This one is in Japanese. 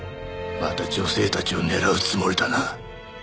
また女性たちを狙うつもりだな？